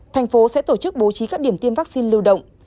thành phố sẽ tổ chức bố trí các điểm tiêm vaccine lưu động